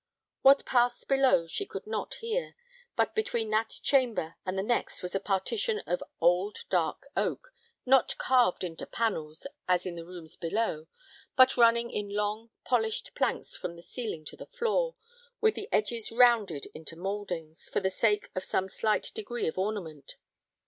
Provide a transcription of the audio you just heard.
What passed below she could not hear; but between that chamber and the next was a partition of old dark oak, not carved into panels, as in the rooms below, but running in long polished planks from the ceiling to the floor, with the edges rounded into mouldings, for the sake of some slight degree of ornament.